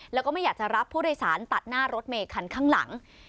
แล้วก็ไม่อยากจะรับผู้โดยสารตัดหน้ารถเมย์คันข้างหลัง